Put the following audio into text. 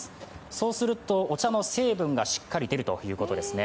そうすると、お茶の成分がしっかり出るということですね。